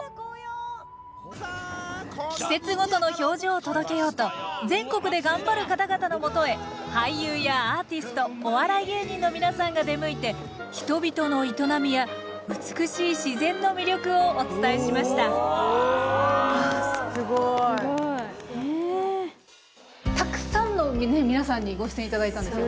季節ごとの表情を届けようと全国で頑張る方々のもとへ俳優やアーティストお笑い芸人の皆さんが出向いて人々の営みや美しい自然の魅力をお伝えしましたたくさんの皆さんにご出演頂いたんですよ